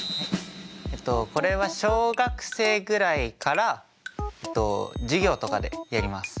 えっとこれは小学生ぐらいから授業とかでやります。